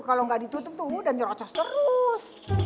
kalo ga ditutup tuh udah ngerocos terus